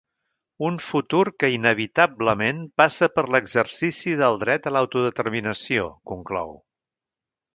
Un futur que inevitablement passa per l’exercici del dret a l’autodeterminació, conclou.